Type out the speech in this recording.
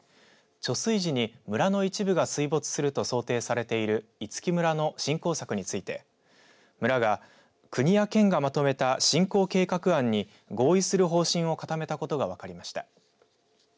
貯水池に村の一部が水没すると想定されている五木村の振興策について村が国や県がまとめた振興計画案に合意する方針を固めたことが分かりました。